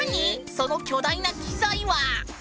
その巨大な機材は？